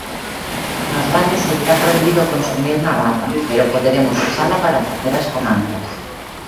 Nos bares seguirá prohibido consumir na barra, pero poderemos usala para facer as comandas.